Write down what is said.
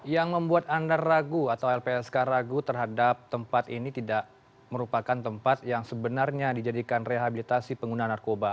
yang membuat anda ragu atau lpsk ragu terhadap tempat ini tidak merupakan tempat yang sebenarnya dijadikan rehabilitasi pengguna narkoba